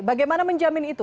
bagaimana menjamin itu